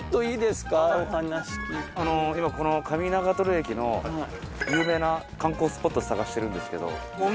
今この上長駅の有名な観光スポット探してるんですけど。